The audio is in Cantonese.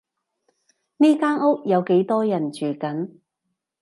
呢間屋有幾多人住緊？